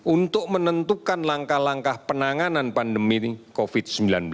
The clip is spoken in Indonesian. untuk menentukan langkah langkah penanganan pandemi covid sembilan belas